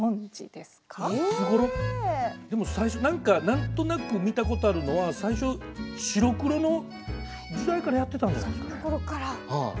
でも最初何か何となく見たことあるのは最初白黒の時代からやってたんじゃないですかね？